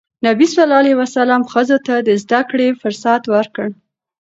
نبي ﷺ ښځو ته د زدهکړې فرصت ورکړ.